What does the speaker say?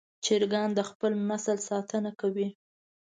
چرګان د خپل نسل ساتنه کوي.